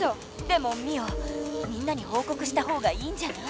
でもミオみんなにほうこくしたほうがいいんじゃない？